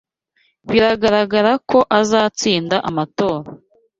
Biragaragara ko azatsinda amatora.